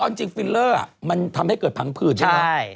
เอาจริงฟิลเลอร์มันทำให้เกิดผังผื่นใช่ไหม